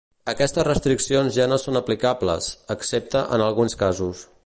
Aquestes restriccions ja no són aplicables, excepte en alguns casos.